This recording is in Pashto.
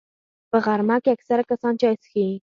په غرمه کې اکثره کسان چای څښي